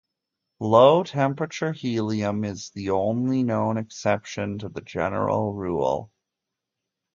Low-temperature helium is the only known exception to the general rule.